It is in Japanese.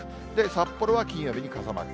札幌は金曜日に傘マーク。